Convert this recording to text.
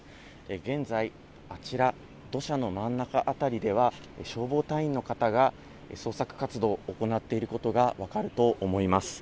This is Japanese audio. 現在、あちら、土砂の真ん中辺りでは、消防隊員の方が捜索活動を行っていることが分かると思います。